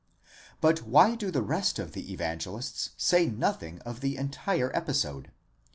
But why do the rest of the Evangelists say nothing of the entire episode?